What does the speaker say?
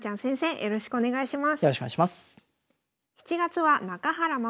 よろしくお願いします。